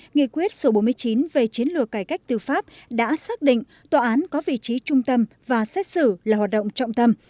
nghị quyết số bốn mươi chín về chiến lược cải cách tư pháp đã xác định tòa án có vị trí trung tâm và xét xử là hoạt động trọng tâm